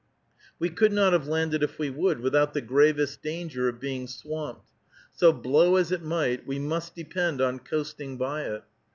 We could not have landed if we would, without the greatest danger of being swamped; so blow as it might, we must depend on coasting by it.